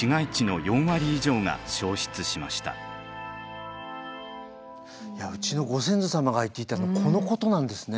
東京はうちのご先祖様が言っていたのはこのことなんですね。